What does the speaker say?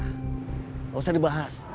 nggak usah dibahas